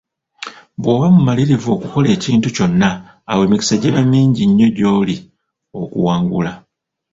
Bw'oba mumalirivu okukola ekintu kyonna, awo emikisa giba mingi nnyo gy'oli okuwangula.